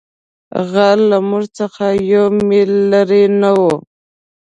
غر له موږ څخه یو مېل لیرې نه وو.